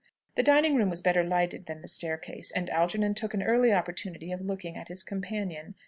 The dining room was better lighted than the staircase, and Algernon took an early opportunity of looking at his companion.